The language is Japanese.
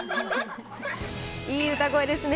いい歌声ですね。